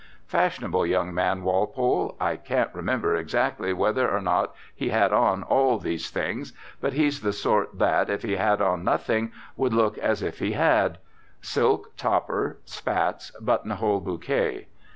Fashionable young man, Walpole. I can't remember exactly whether or not he had on all these things; but he's the sort that, if he had on nothing, would look as if he had: silk topper, spats, buttonhole bouquet.